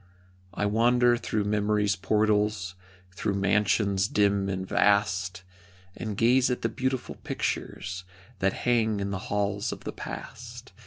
I wander through memory's portals, Through mansions dim and vast, And gaze at the beautiful pictures That hang in the halls of the past.